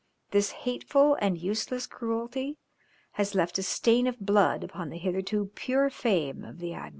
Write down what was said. This hateful and useless cruelty has left a stain of blood upon the hitherto pure fame of the admiral.